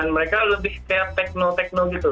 mereka lebih kayak tekno tekno gitu